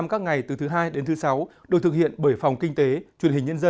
các ngày từ thứ hai đến thứ sáu